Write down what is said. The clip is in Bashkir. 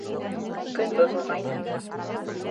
Көн боҙолғайны.